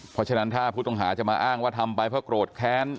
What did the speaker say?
เพราะฉะนั้นถ้าผู้ต้องหาจะมาอ้างว่าทำไปเพราะโกรธแค้น